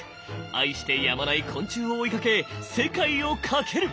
愛してやまない昆虫を追いかけ世界を駆ける！